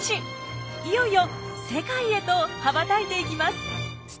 いよいよ世界へと羽ばたいていきます。